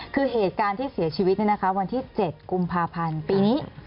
คือเหตุการณ์ที่เสียชีวิตวันที่๗กุมภาพันธ์ปีนี้